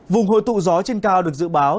vùng hội tụ gió trên cao được dự báo